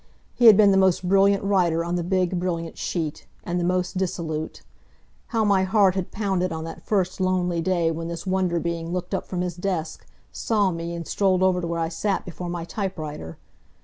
He had been the most brilliant writer on the big, brilliant sheet and the most dissolute. How my heart had pounded on that first lonely day when this Wonder Being looked up from his desk, saw me, and strolled over to where I sat before my typewriter!